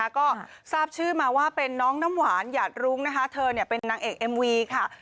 ก็ทราบชื่อมาว่าเป็นน้องน้ำหวานหยาดรุ้งนะคะเธอเป็นนางเอกเอ็มวีค่ะ